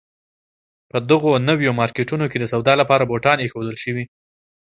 په دغو نویو مارکېټونو کې د سودا لپاره بوتان اېښودل شوي.